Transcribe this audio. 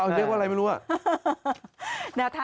เรียกว่าอะไรไม่รู้อ่ะ